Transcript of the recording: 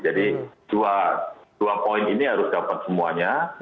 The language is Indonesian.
jadi dua poin ini harus dapat semuanya